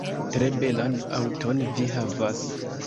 Tre belan aŭton vi havas